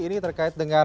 ini terkait dengan